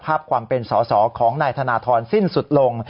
ภาพความเป็นสอสอของนายธนทรสิ้นสุดลง